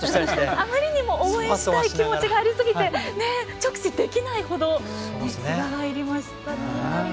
あまりにも応援したい気持ちがありすぎて直視できないほど熱が入りましたね。